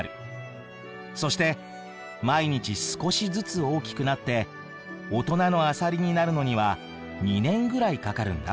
そして毎日少しずつ大きくなって大人のアサリになるのには２年ぐらいかかるんだ。